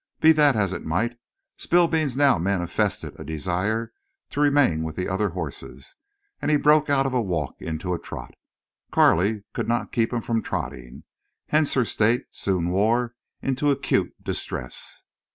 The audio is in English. Be that as it might, Spillbeans now manifested a desire to remain with the other horses, and he broke out of a walk into a trot. Carley could not keep him from trotting. Hence her state soon wore into acute distress.